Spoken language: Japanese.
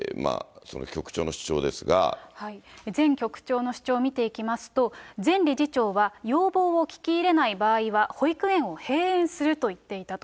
前局長の主張見ていきますと、前理事長は、要望を聞き入れない場合は、保育園を閉園すると言っていたと。